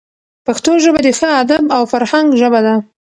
پښتو ژبه د ښه ادب او فرهنګ ژبه ده.